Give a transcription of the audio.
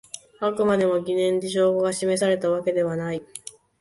あくまでも疑念で証拠が示されたわけではない